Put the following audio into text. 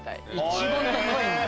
一番高いんだ。